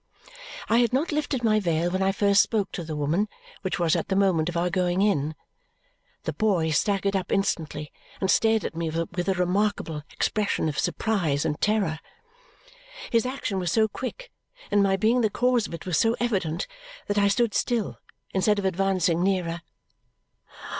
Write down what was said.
I had not lifted my veil when I first spoke to the woman, which was at the moment of our going in. The boy staggered up instantly and stared at me with a remarkable expression of surprise and terror. His action was so quick and my being the cause of it was so evident that I stood still instead of advancing nearer.